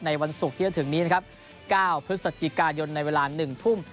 วันศุกร์ที่จะถึงนี้นะครับ๙พฤศจิกายนในเวลา๑ทุ่ม